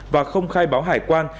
và không khai báo hải quan